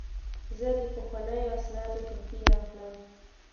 زه د پخوانیو اسنادو کاپي اخلم.